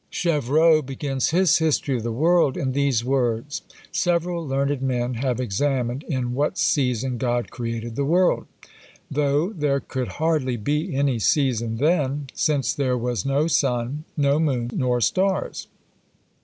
Chevreau begins his History of the World in these words: "Several learned men have examined in what season God created the world, though there could hardly be any season then, since there was no sun, no moon, nor stars.